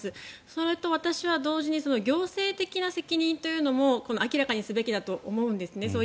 それと私は、同時に行政的な責任というのも明らかにすべきだと思うんですね。